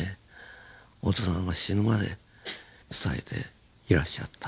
小津さんは死ぬまで伝えていらっしゃった。